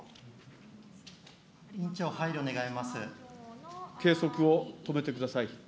委員長、計測を止めてください。